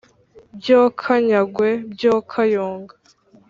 Byo kanyagwe byo kayonga